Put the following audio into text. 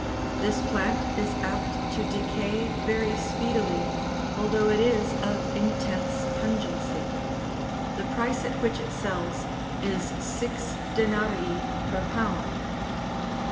This plant is apt to decay very speedily, although it is of intense pungency ; the price at which it sells is six denarii per pound.